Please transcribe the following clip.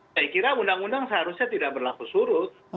saya kira undang undang seharusnya tidak berlaku surut